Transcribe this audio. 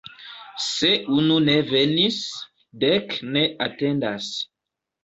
Se unu ne venis, dek ne atendas.